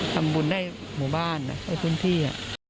ทำบุญได้หมู่บ้านคุณพี่